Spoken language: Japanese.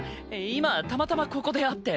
今たまたまここで会って。